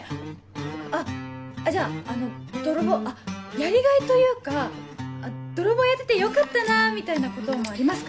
あっじゃああの泥棒あっやりがいというか泥棒やっててよかったなみたいなこともありますか？